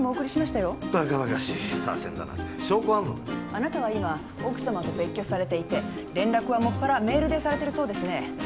あなたは今奥さまと別居されていて連絡はもっぱらメールでされてるそうですね？